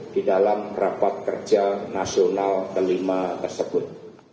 di dalam rapat kerja nasional ke lima tersebut